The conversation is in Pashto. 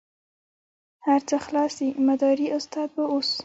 هر څه خلاص دي مداري استاد به اوس.